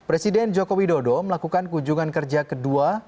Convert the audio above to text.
presiden jokowi dodo melakukan kujungan kerja kedua